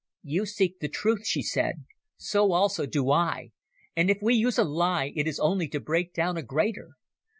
"You seek the truth," she said. "So also do I, and if we use a lie it is only to break down a greater.